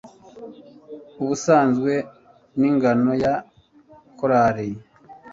Ubusanzwe n'ingano ya calories